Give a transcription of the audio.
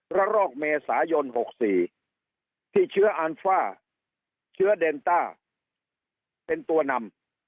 รอกเมษายน๖๔ที่เชื้ออันฟ่าเชื้อเดนต้าเป็นตัวนำ